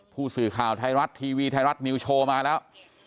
ผู้สื่อข่าวไทยรัฐทีวีไทยรัฐนิวโชว์มาแล้ว